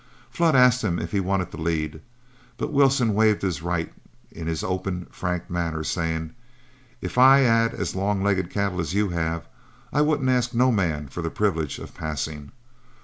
Flood asked him if he wanted the lead, but Wilson waived his right in his open, frank manner, saying, "If I had as long legged cattle as you have, I wouldn't ask no man for the privilege of passing.